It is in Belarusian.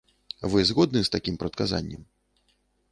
Вы згодны з такім прадказаннем?